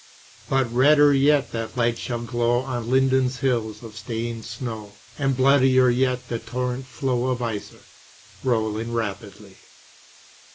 But redder yet that light shall glow On Linden's hills of stainèd snow, And bloodier yet the torrent flow Of Iser, rolling rapidly.